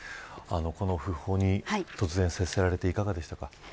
この訃報に突然接せられていかがでしたか。